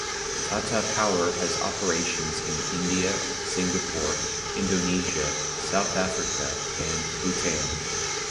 Tata Power has operations in India, Singapore, Indonesia, South Africa and Bhutan.